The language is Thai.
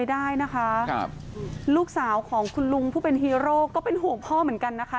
ได้นะคะครับลูกสาวของคุณลุงผู้เป็นฮีโร่ก็เป็นห่วงพ่อเหมือนกันนะคะ